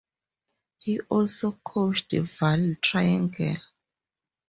He also coached Vaal Triangle.